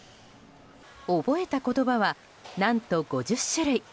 覚えた言葉は、何と５０種類。